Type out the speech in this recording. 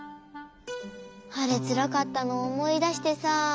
あれつらかったのおもいだしてさあ。